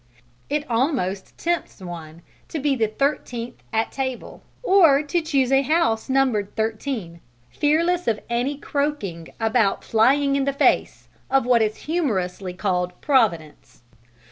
It almost tempts one to be the thirteenth at table, or to choose a house numbered 13 fearless of any croaking about flying in the face of what is humorously called "Providence."